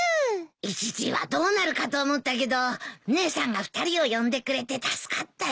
一時はどうなるかと思ったけど姉さんが２人を呼んでくれて助かったよ。